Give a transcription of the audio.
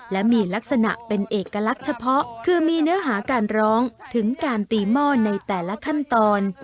และมีลักษณะเป็นเอกลักษณ์เฉพาะคือมีเนื้อหาการร้องถึงการตีหม้อในแต่ละขั้นตอน